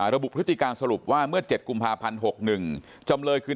พฤติการสรุปว่าเมื่อ๗กุมภาพันธ์๖๑จำเลยคือ